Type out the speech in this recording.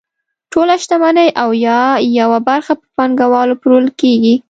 ټوله شتمني او یا یوه برخه په پانګوالو پلورل کیږي.